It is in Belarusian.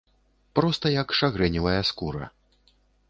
Проста як шагрэневая скура.